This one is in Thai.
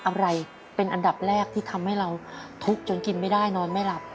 อะไรเป็นอันดับแรกที่ทำให้เราทุกข์จนกินไม่ได้นอนไม่หลับ